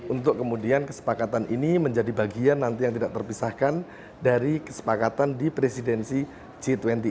untuk kemudian kesepakatan ini menjadi bagian nanti yang tidak terpisahkan dari kesepakatan di presidensi g dua puluh